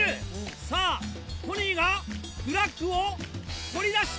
さぁトニーがフラッグを取り出した！